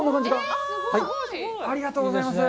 ありがとうございます。